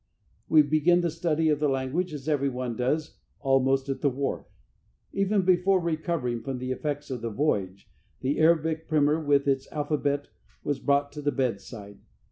We began the study of the language, as everyone does, almost at the wharf. Even before recovering from the effects of the voyage, the Arabic primer, with its alphabet, was brought to the bedside.